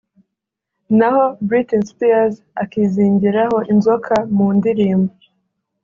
naho Britney Spears akizingiraho inzoka mu ndirimbo